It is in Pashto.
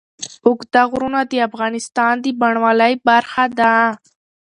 اوږده غرونه د افغانستان د بڼوالۍ برخه ده.